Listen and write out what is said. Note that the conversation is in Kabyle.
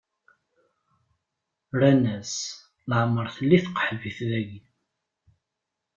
Rran-as: Leɛmeṛ telli tqeḥbit dagi.